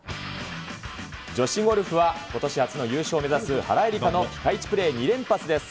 女子ゴルフは、ことし初の優勝を目指す原英莉花のピカイチプレー２連発です。